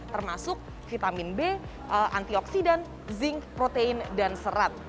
termasuk vitamin b antioksidan zinc protein dan serat